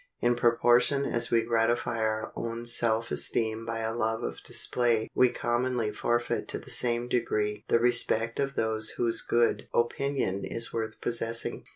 In proportion as we gratify our own self esteem by a love of display we commonly forfeit to the same degree the respect of those whose good opinion is worth possessing.